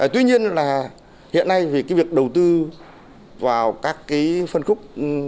tuy nhiên là hiện nay thì cái việc đầu tư vào các cái phân khúc